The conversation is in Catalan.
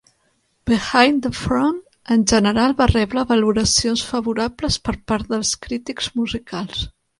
"Behind the Front" en general va rebre valoracions favorables per part dels crítics musicals.